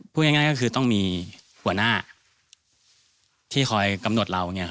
พูดง่ายก็คือต้องมีหัวหน้าที่คอยกำหนดเรา